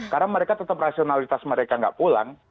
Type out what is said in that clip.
karena mereka tetap rasionalitas mereka nggak pulang